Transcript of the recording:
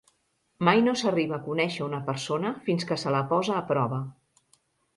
Mai no s'arriba a conèixer una persona fins que se la posa a prova.